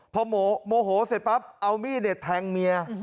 พอโมโหเต็ดปั๊บท์เอามีดเน็ตแทงเมีย